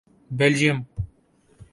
Belgium